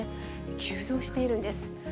急増しているんです。